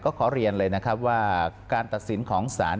ก็ขอเรียนเลยว่าการตัดสินของสาร